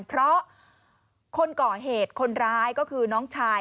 เพราะคนก่อเหตุคนร้ายก็คือน้องชาย